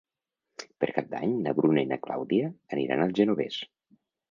Per Cap d'Any na Bruna i na Clàudia aniran al Genovés.